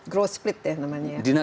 gross plate ya namanya